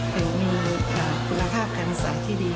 ถ้ามีคุณภาพการอาศัยที่ดี